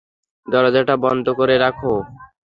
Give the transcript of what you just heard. দরজাটা বন্ধ করে রাখ।